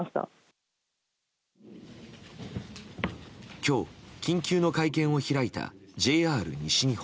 今日、緊急の会見を開いたＪＲ西日本。